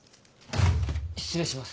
失礼します。